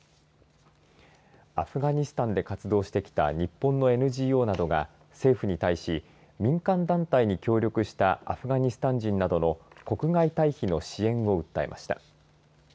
アフガニスタンで活動してきた日本のＮＧＯなどが政府に対し民間団体に協力したアフガニスタン人などの国外退避の支援を訴えました。